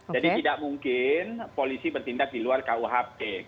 jadi tidak mungkin polisi bertindak di luar kuhp